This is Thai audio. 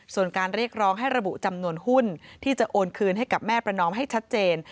ส่วนการเรียกร้องให้ระบุจำนวนหุ้นที่จะโอนคืนให้กับแม่ประนอมให้ชัดเจน